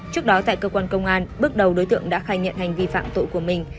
trước đó tại cơ quan công an bước đầu đối tượng đã khai nhận hành vi phạm tội của mình